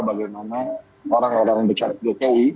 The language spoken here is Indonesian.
bagaimana orang orang dekat jokowi